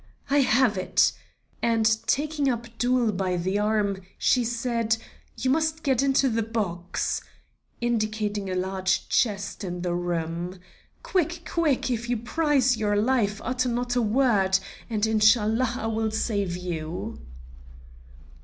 "I have it," and taking Abdul by the arm, she said, "you must get into the box," indicating a large chest in the room. "Quick, quick, if you prize your life utter not a word, and Inshallah I will save you."